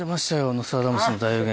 『ノストラダムスの大予言』。